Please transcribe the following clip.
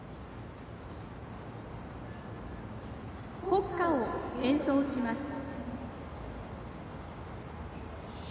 国歌を演奏します。